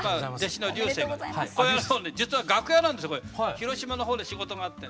広島の方で仕事があってね。